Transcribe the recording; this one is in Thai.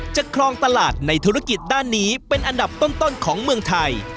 ครองตลาดในธุรกิจด้านนี้เป็นอันดับต้นของเมืองไทย